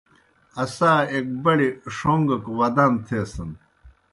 اسا ایک بڑیْ ݜوݩگَک ودان تھیسَن۔